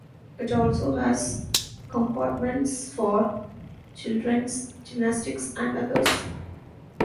It also has compartments for children's gymnastics and others.